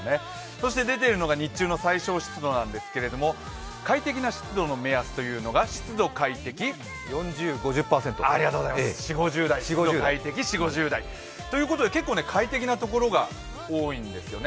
そして出ているのが日中の最小湿度なんですけれども、快適な湿度の目安というのが湿度快適そうなんです、ということで結構快適なところが多くなるんですね。